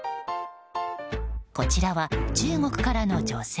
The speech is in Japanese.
こちらは中国からの女性。